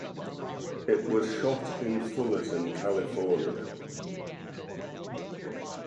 It was shot in Fullerton, California.